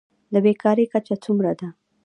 د بیکارۍ کچه څومره ده؟